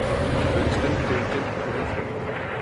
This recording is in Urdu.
ونسٹن چرچل کھڑے تھے۔